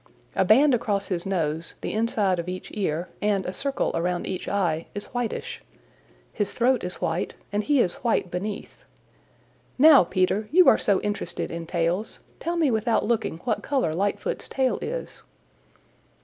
A band across his nose, the inside of each ear and a circle around each eye is whitish. His throat is white and he is white beneath. Now, Peter, you are so interested in tails, tell me without looking what color Lightfoot's tail is."